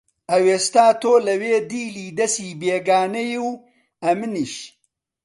ئەوێستا تۆ لەوێ دیلی دەسی بێگانەی و ئەمنیش